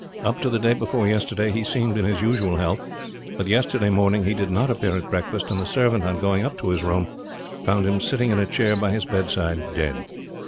Up to the day before yesterday he seemed in his usual health; but yesterday morning he did not appear at breakfast, and the servant on going up to his room, found him sitting in a chair by his bedside dead.